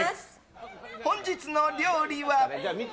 本日の料理は。